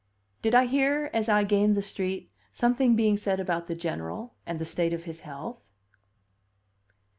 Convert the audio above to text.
Did I hear, as I gained the street, something being said about the General, and the state of his health?